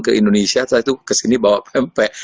ke indonesia saya tuh kesini bawa pempek